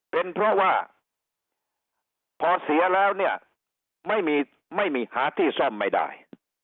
เป็นเพราะว่าพอเสียแล้วเนี่ยไม่มีไม่มีหาที่ซ่อมไม่ได้